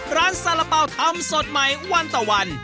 ร้านสาระเป๋าทำสดใหม่วันต่อวัน